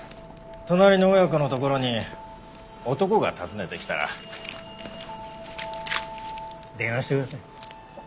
隣の親子のところに男が訪ねてきたら電話してください。